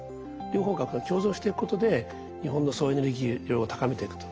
両方が共存していくことで日本の総エネルギー量を高めていくと。